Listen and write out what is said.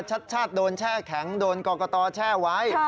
ชัดชาติโดนแช่แข็งโดนกรกตแช่ไว้